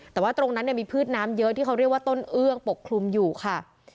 แต่ว่าตรงนั้นมีพืชน้ำเยอะที่เขาเรียกว่าต้นเอื้องปกคลุมอยู่ค่ะ